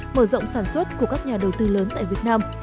mở rộng sản xuất của các nhà đầu tư lớn tại việt nam